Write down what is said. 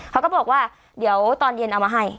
เขาก็บอกว่าเดี๋ยวตอนเย็นเอามาให้